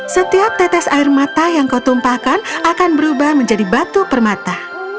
setiap tetes air mata yang kau tumpahkan akan berubah menjadi batu permata